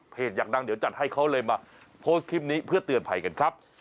อยากดังเดี๋ยวจัดให้เขาเลยมาโพสต์คลิปนี้เพื่อเตือนภัยกันครับ